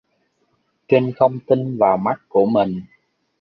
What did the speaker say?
Trinh không tin vào mắt của mình